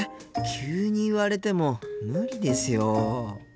急に言われても無理ですよ。